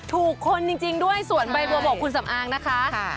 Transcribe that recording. ถูกคนจริงด้วยส่วนใบบัวบกคุณสำอางนะคะ